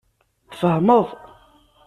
Tfehmeḍ.